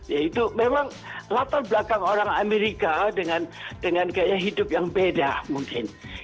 ya itu memang latar belakang orang amerika dengan gaya hidup yang beda mungkin